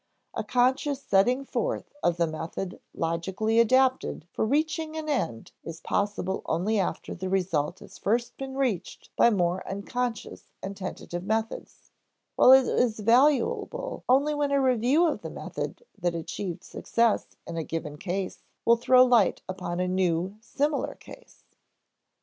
A conscious setting forth of the method logically adapted for reaching an end is possible only after the result has first been reached by more unconscious and tentative methods, while it is valuable only when a review of the method that achieved success in a given case will throw light upon a new, similar case.